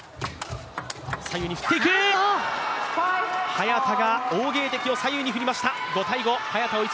早田が王ゲイ迪を左右に振りました。